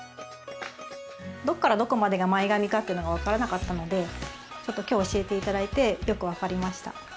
どっからどこまでが前髪かってのが分からなかったのできょう教えていただいてよく分かりました。